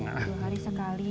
dua hari sekali